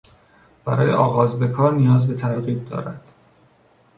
برای آغاز به کار نیاز به ترغیب دارد.